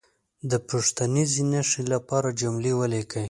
د پوښتنیزې نښې لپاره جمله ولیکي.